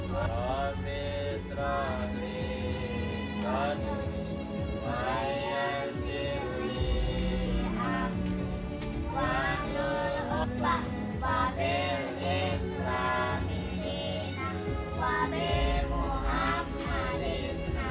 ketika saya berubah saya merasa terlalu baik